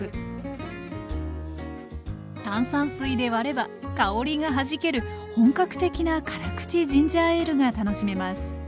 炭酸水で割れば香りがはじける本格的な辛口ジンジャーエールが楽しめます